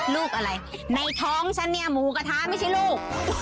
ลูกอะไรในท้องฉันเนี่ยหมูกระทะไม่ใช่ลูก